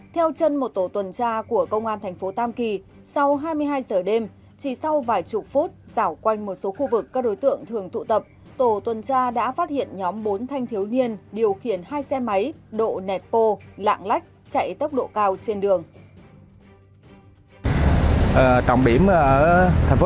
theo chân một tổ tuần tra của công an thành phố tam kỳ sau hai mươi hai giờ đêm chỉ sau vài chục phút dảo quanh một số khu vực các đối tượng thường tụ tập tổ tuần tra đã phát hiện nhóm bốn thanh thiếu niên điều khiển hai xe máy độ nẹt pô